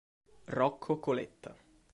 Rocco Coletta